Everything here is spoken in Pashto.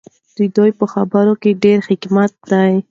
د ده په خبرو کې ډېر حکمت دی.